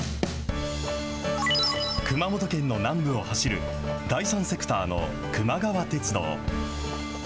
熊本県の南部を走る、第三セクターのくま川鉄道。